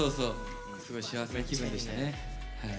すごい幸せな気分でしたね。